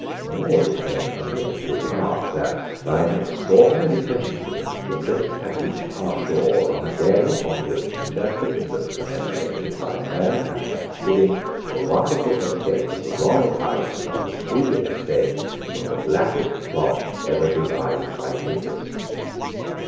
Nor did men omit to remark that, by an extraordinary coincidence, the Prince had reached our shores on a day on which the Church of England commemorated, by prayer and thanksgiving, the wonderful escape of the royal House and of the three Estates from the blackest plot ever devised by Papists.